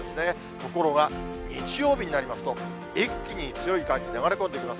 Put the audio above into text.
ところが、日曜日になりますと、一気に強い寒気、流れ込んできます。